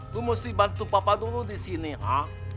lu mesti bantu bapak dulu di sini ha